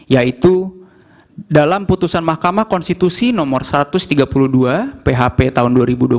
yaitu dalam putusan mahkamah konstitusi nomor satu ratus tiga puluh dua php tahun dua ribu dua puluh